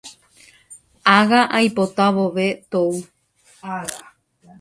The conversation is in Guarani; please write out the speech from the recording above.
Ág̃a oipota vove tou